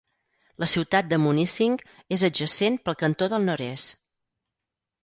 La ciutat de Munising és adjacent pel cantó del nord-est.